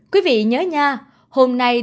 quý vị nhớ nha